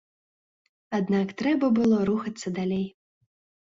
Аднак трэба было рухацца далей.